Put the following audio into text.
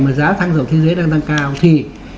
mà giá xăng dầu thế giới đang tăng cao thì